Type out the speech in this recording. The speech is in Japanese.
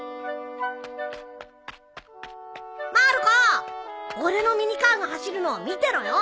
まる子俺のミニカーが走るの見てろよ。